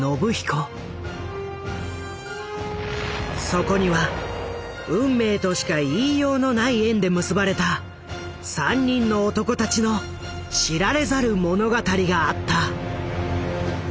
そこには運命としか言いようのない縁で結ばれた３人の男たちの知られざる物語があった。